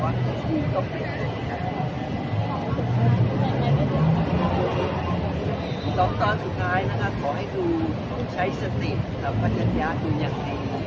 สองตอนสุดท้ายนะครับขอให้ดูใช้สติกับปัชญาดูอย่างดี